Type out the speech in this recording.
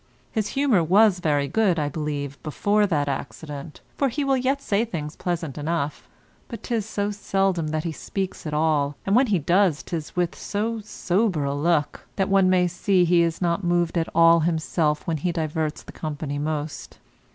His humour was very good, I believe, before that accident, for he will yet say things pleasant enough, but 'tis so seldom that he speaks at all, and when he does 'tis with so sober a look, that one may see he is not moved at all himself when he diverts the company most.